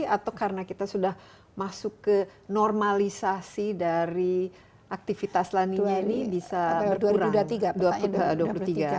atau karena kita sudah masuk ke normalisasi dari aktivitas laninya ini bisa berkurang